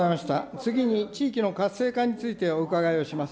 次に地域の活性化についてお伺いをします。